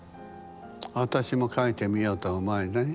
私も描いてみようとは思わない？